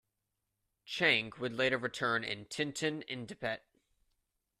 Chang would later return in "Tintin in Tibet".